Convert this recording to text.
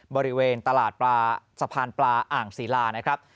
บริเวณตลาดปลาสะพานปลาอ่างศิลานะครับ